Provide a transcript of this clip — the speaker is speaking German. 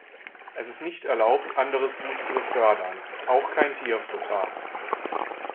Es ist nicht erlaubt, anderes Gut zu befördern, auch kein Tierfutter.